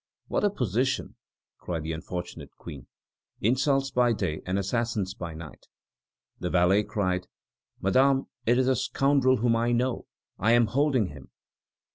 "What a position!" cried the unfortunate Queen. "Insults by day and assassins by night!" The valet cried: "Madame, it is a scoundrel whom I know; I am holding him."